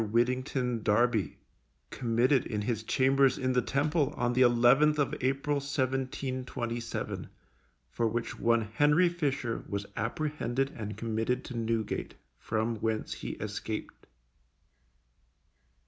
WIDDINGTON DARBY, committed in his chambers in the Temple, on the 11th of April, 1727, for which one HENRY FISHER was apprehended and committed to Newgate, from whence he escaped.